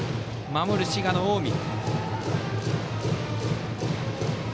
守る、滋賀の近江。